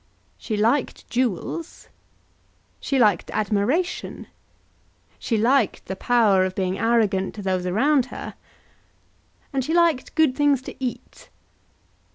She liked jewels. She liked admiration. She liked the power of being arrogant to those around her. And she liked good things to eat.